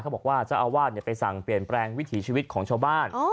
บอกว่าเจ้าอาวาสไปสั่งเปลี่ยนแปลงวิถีชีวิตของชาวบ้าน